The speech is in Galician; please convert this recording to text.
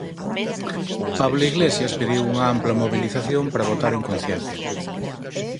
Pablo Iglesias pediu unha ampla mobilización para votar en conciencia.